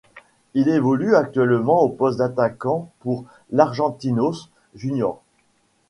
Il évolue actuellement au poste d'attaquant pour l'Argentinos Juniors.